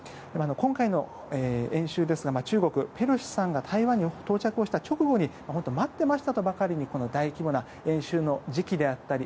今回の演習ですが中国はペロシさんが台湾に到着した直後に待っていましたとばかりに大規模な演習の時期であったり